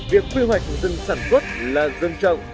việc quy hoạch rừng sản xuất là rừng trồng